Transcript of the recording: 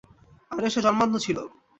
আর সে জন্মান্ধ ছিল।